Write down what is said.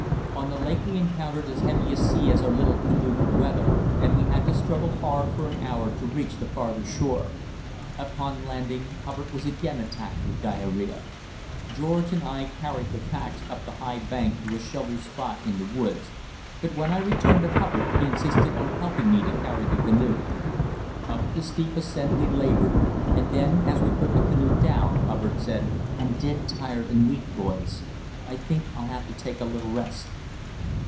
On the lake we encountered as heavy a sea as our little canoe could weather, and we had to struggle hard for an hour to reach the farther shore. Upon landing, Hubbard was again attacked with diarrhoea. George and I carried the packs up the high bank to a sheltered spot in the woods, but when I returned to Hubbard he insisted on helping me to carry the canoe. Up the steep ascent we laboured, and then, as we put the canoe down, Hubbard said: "I'm dead tired and weak, boys; I think I'll have to take a little rest."